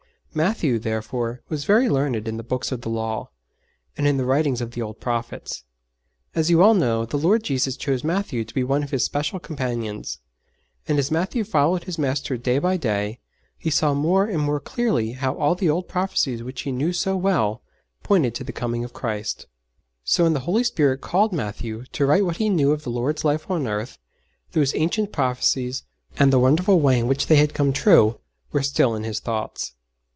Matthew, therefore, was very learned in the books of the Law, and in the writings of the old prophets. As you all know, the Lord Jesus chose Matthew to be one of His special companions; and as Matthew followed his Master day by day, he saw more and more clearly how all the old prophecies which he knew so well pointed to the coming of Christ. [Illustration: A FRAGMENT OF PAPYRUS PAPER WITH ANCIENT WRITING] So, when the Holy Spirit called Matthew to write what he knew of the Lord's life on earth, those ancient prophecies, and the wonderful way in which they had come true, were still in his thoughts.